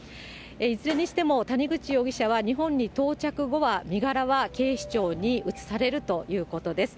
いずれにしても、谷口容疑者は日本に到着後は、身柄は警視庁に移されるということです。